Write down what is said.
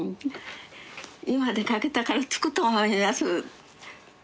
「今出かけたから着くと思います」。